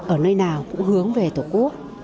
ở nơi nào cũng hướng về tổ quốc